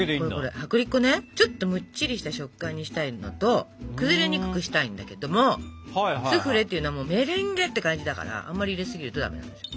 薄力粉ねちょっとむっちりした食感にしたいのと崩れにくくしたいんだけどもスフレっていうのはメレンゲって感じだからあんまり入れすぎるとダメなんですよ。